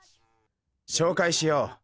しょうかいしよう。